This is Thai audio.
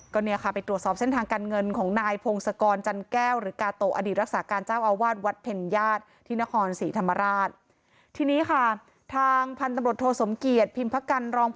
ก็เลยไปตรวจสอบเส้นทางการเงิน